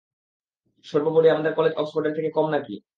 সর্বোপরি আমাদের কলেজ অক্সফোর্ডের থেকে কম নাকি।